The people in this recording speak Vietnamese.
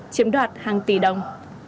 chiếm đoạt hàng tỷ đồng